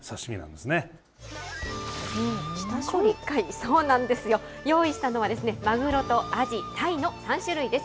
そうなんですよ。用意したのは、マグロとアジ、鯛の３種類です。